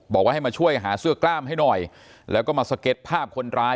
บอกว่าให้มาช่วยหาเสื้อกล้ามให้หน่อยแล้วก็มาสเก็ตภาพคนร้าย